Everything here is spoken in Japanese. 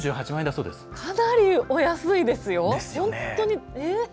かなりお安いですよ。